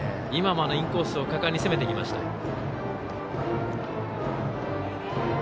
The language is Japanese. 今もインコースを果敢に攻めていきました。